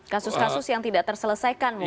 kasus kasus yang tidak terselesaikan mungkin